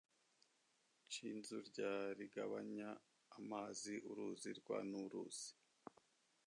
c Isunzu rya rigabanya amazi y uruzi rwa n uruzi